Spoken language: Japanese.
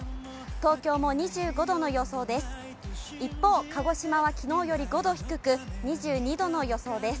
東京も２５度の予想です。